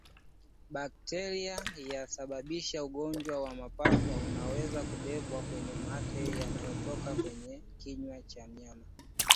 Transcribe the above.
Bakteria anayesababisha ugonjwa wa mapafu anaweza kubebwa kwenye mate yanayotoka kwenye kinywa cha mnyama